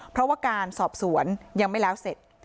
เพราะว่าการสอบสวนยังไม่แล้วเสร็จ